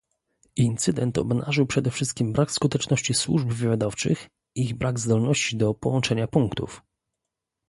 Incydent obnażył przede wszystkim brak skuteczności służb wywiadowczych, ich brak zdolności do "połączenia punktów"